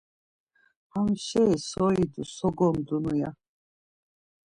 Ham şei so idu, so gondunu? ya.